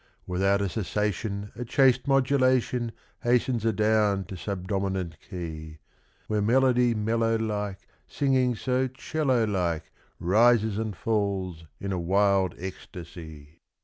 Without a cessation A chaste modulation Hastens adown to subdominant key, Where melody mellow like Singing so 'cello like Rises and falls in a wild ecstasy.